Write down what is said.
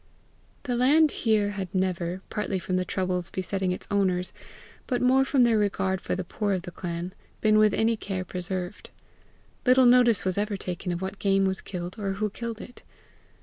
The land here had never, partly from the troubles besetting its owners, but more from their regard for the poor, of the clan, been with any care preserved; little notice was ever taken of what game was killed, or who killed it.